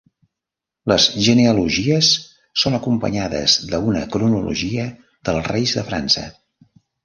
Les genealogies són acompanyades d'una cronologia dels reis de França.